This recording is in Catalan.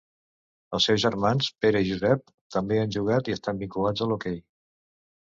Els seus germans Pere i Josep també han jugat i estan vinculats a l'hoquei.